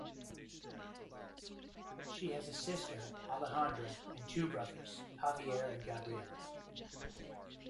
She has a sister, Alejandra, and two brothers, Javier and Gabriel.